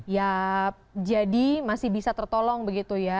ya jadi masih bisa tertolong begitu ya